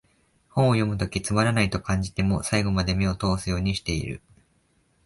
本を読むときつまらないと感じても、最後まで目を通すようにしてる